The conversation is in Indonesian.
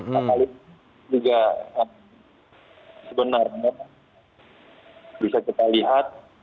pak halim juga sebenarnya bisa kita lihat